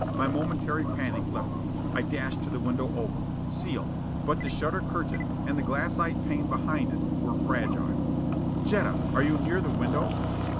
My momentary panic left me. I dashed to the window oval. Sealed. But the shutter curtain, and the glassite pane behind it, were fragile. "Jetta, are you near the window?"